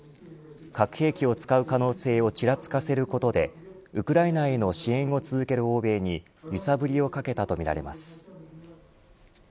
核兵器を使う可能性をちらつかせることでウクライナへの支援を続ける欧米に揺さぶりをかけたとみられます。